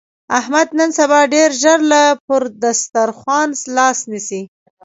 احمد نن سبا ډېر ژر له پر دستاخوان لاس نسي.